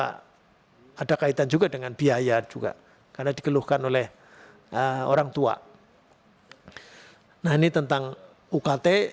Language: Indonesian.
hai ada kaitan juga dengan biaya juga karena dikeluhkan oleh orang tua nah ini tentang ukt